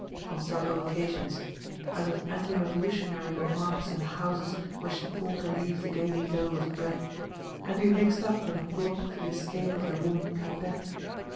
on several occasions, uttered anti revolutionary remarks in the houses where she called to leave the daily dole of bread, and been mixed up in a plot for the escape of the woman Capet.